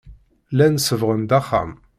Llan sebbɣen-d axxam.